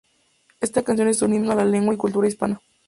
Esta canción es un himno a la lengua y cultura hispana.